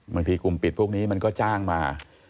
กลุ่มปิดพวกนี้มันก็จ้างมา